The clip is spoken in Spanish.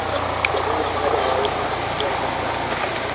veré a la Madre Abadesa cuando sea ocasión.